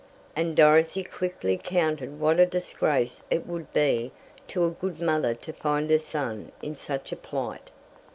and Dorothy quickly counted what a disgrace it would be to a good mother to find her son in such a plight.